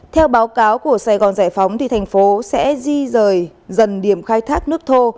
theo báo cáo của sài gòn giải phóng thành phố sẽ di rời dần điểm khai thác nước thô